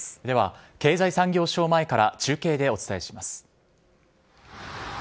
では、経済産業省前から中継でお伝えします。